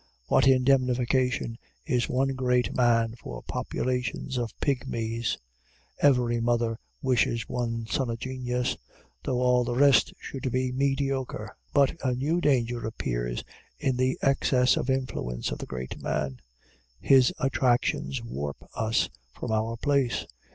What indemnification is one great man for populations of pygmies! Every mother wishes one son a genius, though all the rest should be mediocre. But a new danger appears in the excess of influence of the great man. His attractions warp us from our place.